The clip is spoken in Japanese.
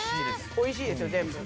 おいしいですよ、全部。